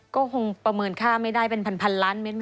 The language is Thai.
ก็คงประเมินค่าไม่ได้เป็นพันล้านเมตร